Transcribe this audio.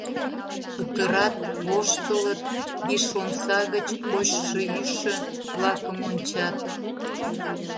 Кутырат, воштылыт, виш омса гыч кочшо-йӱшӧ-влакым ончат.